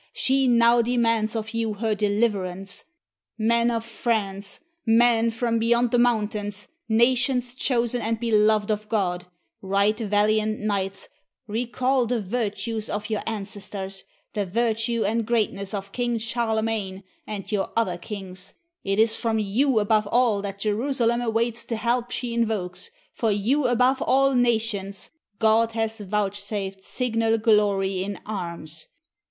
She now de mands of you her deliverance; ... men of France, men from beyond the mountains, nations chosen and beloved of God, right valiant knights, recall the virtues of your ancestors, the virtue and greatness of King Charle magne and your other kings ; it is from you above all that Jerusalem awaits the help she invokes, for you above all nations, God has vouchsafed signal glory in arms.